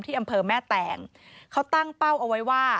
อำเภอแม่แตงเขาตั้งเป้าเอาไว้ว่า